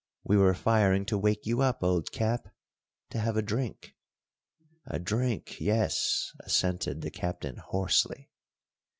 We were firing to wake you up, old Cap, to have a drink " "A drink yes," assented the Captain hoarsely.